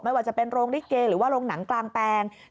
ว่าจะเป็นโรงลิเกหรือว่าโรงหนังกลางแปลง